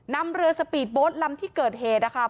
นำเรือสปีดโบ๊ทลำที่เกิดเหตุนะคะ